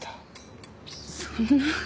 そんな。